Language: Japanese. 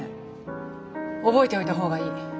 覚えておいた方がいい。